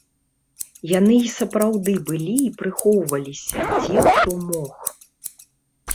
Яны і сапраўды былі і прыхоўваліся, дзе хто мог.